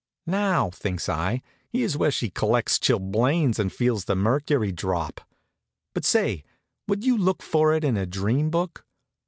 "Now," thinks I, "here's where she collects chilblains and feels the mercury drop." But say! would you look for it in a dream book?